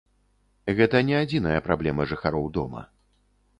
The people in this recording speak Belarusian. Гэта не адзіная праблема жыхароў дома.